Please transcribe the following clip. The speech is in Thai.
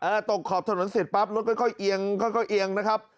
เออตกขอบถนนเสร็จปั๊บรถค่อยเหยียงนะครับ